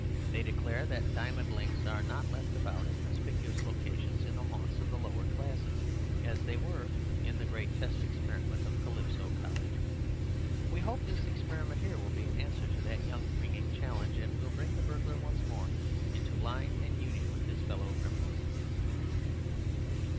They declare that diamond links are not left about in conspicuous locations in the haunts of the lower classes, as they were in the great test experiment of Calypso College. We hope this experiment here will be an answer to that young ringing challenge, and will bring the burglar once more into line and union with his fellow criminals."